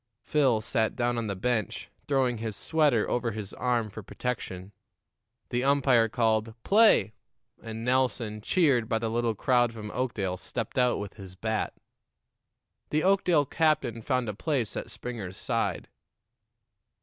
Phil sat down on the bench, throwing his sweater over his arm for protection. The umpire called, "Play," and Nelson, cheered by the little crowd from Oakdale, stepped out with his bat. The Oakdale captain found a place at Springer's side.